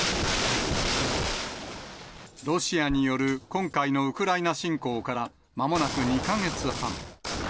ロシアによる今回のウクライナ侵攻から、まもなく２か月半。